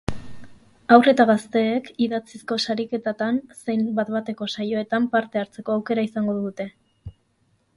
Haur eta gazteek idatzizko sariketatan zein bat-bateko saioetan parte hartzeko aukera izango dute.